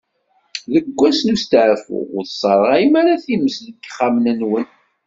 Deg wass n usteɛfu, ur tesseṛɣayem ara times deg yexxamen-nwen.